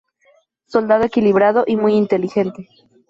Soldado equilibrado y muy inteligente.